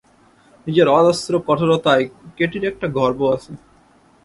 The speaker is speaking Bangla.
নিজের অজস্র কঠোরতায় কেটির একটা গর্ব আছে।